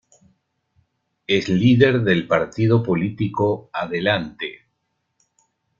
Es líder del Partido Político Adelante.